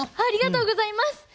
ありがとうございます。